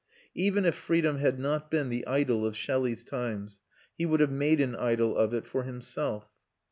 Even if freedom had not been the idol of Shelley's times, he would have made an idol of it for himself.